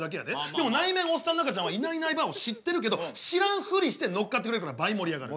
でも内面おっさんの赤ちゃんはいないいないばあを知ってるけど知らんふりして乗っかってくれるから倍盛り上がる。